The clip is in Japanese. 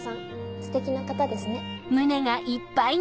ステキな方ですね。